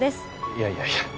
いやいやいや。